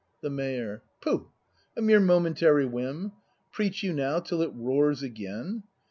The Mayor. Pooh, a mere momentary whim! Preach you now, till it roars again!